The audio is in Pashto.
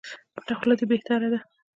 پټه خوله دي بهتري ده